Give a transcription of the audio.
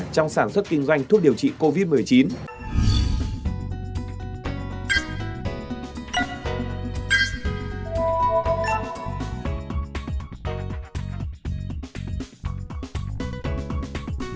trong sản xuất kinh doanh thuốc điều trị covid một mươi chín